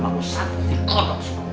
bangku satu di kolong